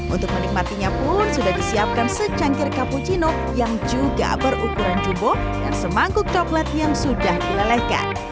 untuk menikmatinya pun sudah disiapkan secangkir cappuccino yang juga berukuran jumbo dan semangkuk coklat yang sudah dilelehkan